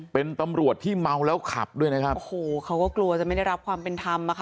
เป็นตำรวจที่เมาแล้วขับด้วยนะครับโอ้โหเขาก็กลัวจะไม่ได้รับความเป็นธรรมอ่ะค่ะ